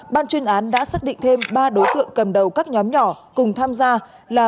ban chuyên án đã xác định thêm ba đối tượng cầm đầu các nhóm nhỏ cùng tham gia là